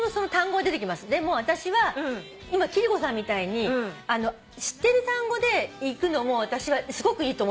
でも私は今貴理子さんみたいに知ってる単語でいくのも私はすごくいいと思ってるの。